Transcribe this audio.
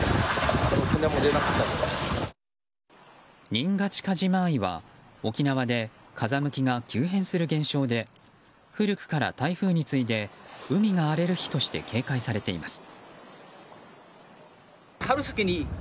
ニンガチ・カジマーイは沖縄で風向きが急変する現象で古くから台風に次いで海が荒れる日として警戒されています。